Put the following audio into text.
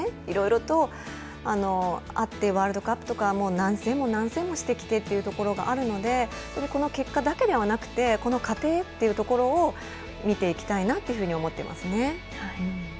いろいろとあってワールドカップとか何戦もしてきてというところがあるのでこの結果だけではなくてこの過程っていうところを見ていきたいなと思っていますね。